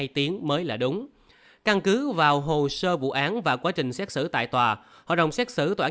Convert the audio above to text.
tiến mới là đúng căn cứ vào hồ sơ vụ án và quá trình xét xử tại tòa hội đồng xét xử tòa án